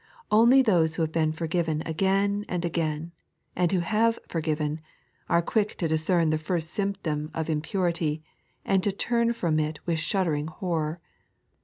Only those who have been forgiven again and again, and who have forgiven, are quick to discern the first symptom of impurity, and to turn from it frith shuddering horror.